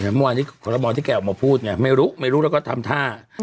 เมื่อวานนี้ขอรมอลที่แกออกมาพูดเนี่ยไม่รู้ไม่รู้แล้วก็ทำท่า